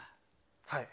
はい。